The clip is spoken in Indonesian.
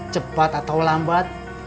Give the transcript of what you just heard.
cepat atau lambat